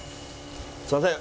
すいません